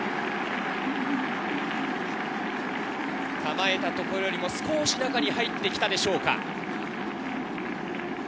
構えた所よりも少し中に入ってきたでしょうか。